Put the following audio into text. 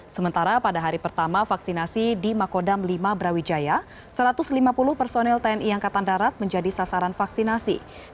sementara pada hari pertama vaksinasi di makodam lima brawijaya satu ratus lima puluh personel tni angkatan darat menjadi sasaran vaksinasi